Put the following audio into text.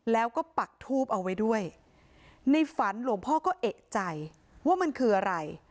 แล้วก็ปักทูบเอาไว้ด้วยในฝันหลวงพ่อก็เอกใจว่ามันคืออะไร